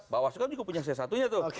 bawah aslo kan juga punya si satunya tuh